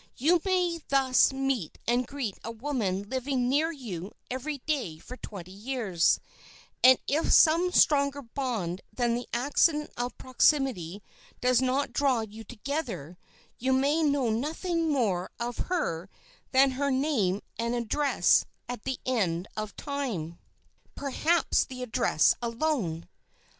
You may thus meet and greet a woman living near you every day for twenty years, and if some stronger bond than the accident of proximity does not draw you together, you may know nothing more of her than her name and address at the end of that time—perhaps the address alone.